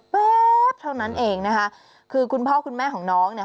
แป๊บเท่านั้นเองนะคะคือคุณพ่อคุณแม่ของน้องเนี่ย